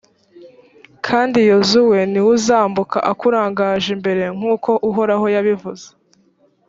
kandi yozuwe ni we uzambuka akurangaje imbere nk’uko uhoraho yabivuze.